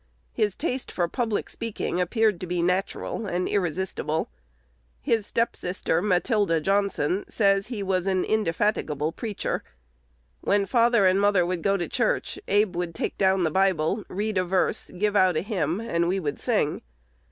His taste for public speaking appeared to be natural and irresistible. His step sister, Matilda Johnston, says he was an indefatigable "preacher." "When father and mother would go to church, Abe would take down the Bible, read a verse, give out a hymn, and we would sing.